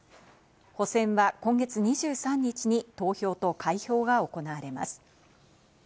補選は今月２３日に投票と開票が行われます。